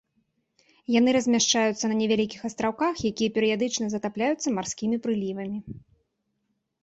Яны размяшчаюцца на невялікіх астраўках, якія перыядычна затапляюцца марскімі прылівамі.